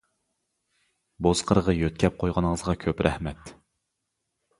بۇز قىرغا يۆتكەپ قويغىنىڭىزغا كۆپ رەھمەت!